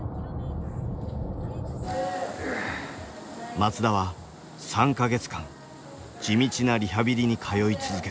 松田は３か月間地道なリハビリに通い続けた。